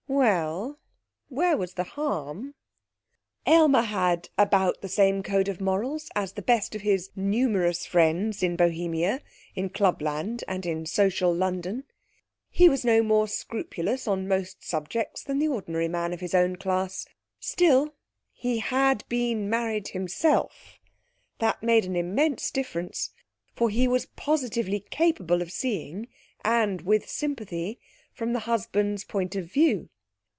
Well, where was the harm? Aylmer had about the same code of morals as the best of his numerous friends in Bohemia, in clubland and in social London. He was no more scrupulous on most subjects than the ordinary man of his own class. Still, he had been married himself. That made an immense difference, for he was positively capable of seeing (and with sympathy) from the husband's point of view.